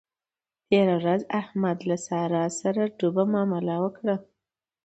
تېره ورځ احمد له له سارا سره ډوبه مامله وکړه.